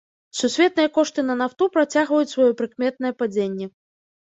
Сусветныя кошты на нафту працягваюць сваё прыкметнае падзенне.